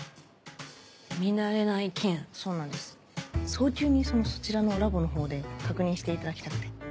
早急にそちらのラボのほうで確認していただきたくて。